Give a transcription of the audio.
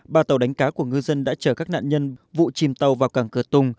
ba tàu đánh cá của ngư dân đã chở các nạn nhân vụ chìm tàu vào cảng cửa tùng